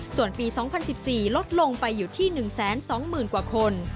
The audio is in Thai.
ส่วนปี๒๐๑๔ลดลงไปอยู่ที่๑๒๐๐๐กว่าคน